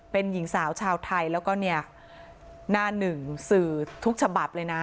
เป็นหญิงสาวชาวไทยแล้วก็เนี่ยหน้าหนึ่งสื่อทุกฉบับเลยนะ